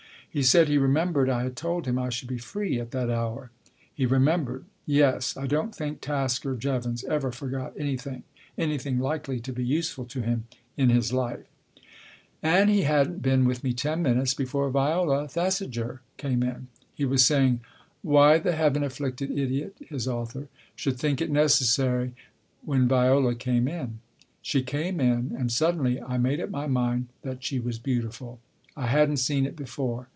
He said he remembered I had told him I should be free at that hour. He remembered. Yes ; I don't think Tasker Jevons ever forgot anything, anything likely to be useful to him, in his life. Book I : My Book 25 And he hadn't been with me ten minutes before Viola Thesiger came in. He was saying " Why the Heaven afflicted idiot " (his author) " should think it necessary " when Viola came in. She came in, and suddenly I made up my mind that she was beautiful. I hadn't seen it before.